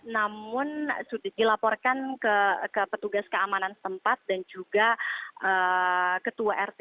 namun dilaporkan ke petugas keamanan tempat dan juga ketua rt